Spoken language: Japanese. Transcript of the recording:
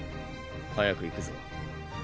早く行くぞ。